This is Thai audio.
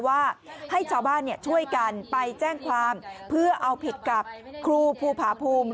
ว่าให้ชาวบ้านช่วยกันไปแจ้งความเพื่อเอาผิดกับครูภูผาภูมิ